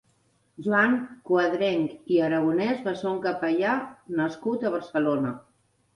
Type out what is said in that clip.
Joan Cuadrench i Aragonès va ser un capellà nascut a Barcelona.